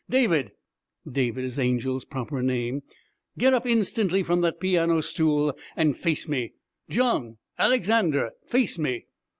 David [David is Angel's proper name], get up instantly from that piano stool and face me! John, Alexander, face me!'